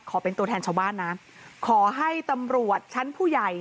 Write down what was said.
เป็นตัวแทนชาวบ้านนะขอให้ตำรวจชั้นผู้ใหญ่